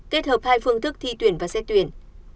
kết hợp hai phương thức thi tuyển và xét tuyển